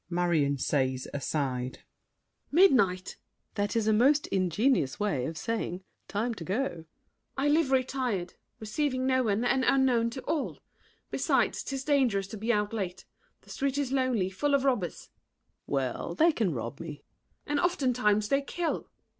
MARION (aside). Midnight! SAVERNY. That is a most ingenious way Of saying, "Time to go." MARION. I live retired, Receiving no one, and unknown to all. Besides, 'tis dangerous to be out late: The street is lonely, full of robbers. SAVERNY. Well, They can rob me. MARION. And oftentimes they kill! SAVERNY.